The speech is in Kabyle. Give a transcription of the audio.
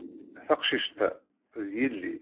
Taqcict-a, d yelli.